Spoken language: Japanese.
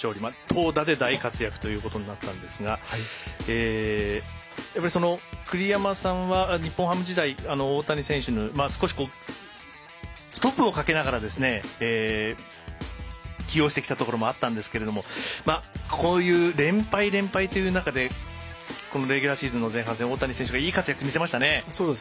投打で大活躍となったんですが栗山さんは日本ハム時代大谷選手に少しストップをかけながら起用してきたところがあったんですけれどもこういう連敗、連敗という中でレギュラーシーズンの前半戦大谷選手がいい活躍見せましたね。